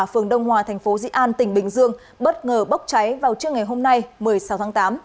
phường đông hòa thành phố dị an tỉnh bình dương bất ngờ bốc cháy vào trưa ngày hôm nay một mươi sáu tháng tám